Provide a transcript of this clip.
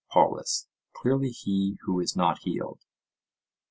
POLUS: Clearly he who is not healed.